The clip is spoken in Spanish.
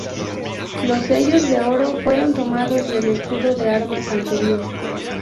Los sellos de oro fueron tomados del escudo de armas anterior.